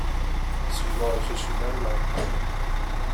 سیگار کشیدن ممنوع